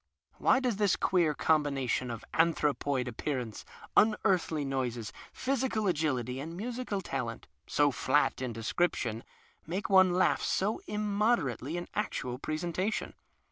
\Vhy does tiiis queer combination of antiu'opoid appearance, unearthly noises, physical agility, and musical talent — so flat in description— make one laugh so inunoderately in actual presentation